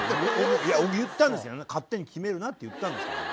言ったんですけどね勝手に決めるなって言ったんですけども。